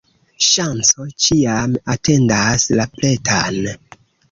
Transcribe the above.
Ŝanco ĉiam atendas la pretan.